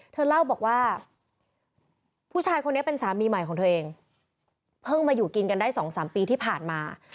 เธอเล่าบอกว่า